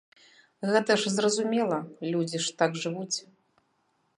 Гэта ж зразумела, людзі ж так жывуць.